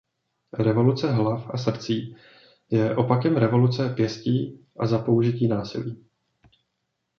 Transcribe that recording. Revoluce hlav a srdcí je opakem revoluce pěstí a za použití násilí.